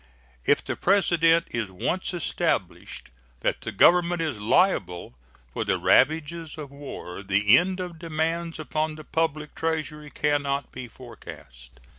If the precedent is once established that the Government is liable for the ravages of war, the end of demands upon the public Treasury can not be forecast.